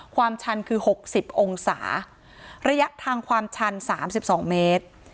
ชันคือ๖๐องศาระยะทางความชัน๓๒เมตร